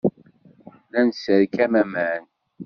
La nesserkam aman.